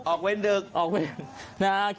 ออกเวร๑๔๐มกราคมที่เปิดลุก